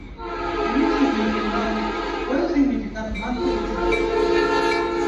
En un sentido figurado, puede significar manto o disfraz.